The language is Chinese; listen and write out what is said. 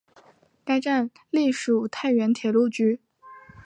该站隶属太原铁路局。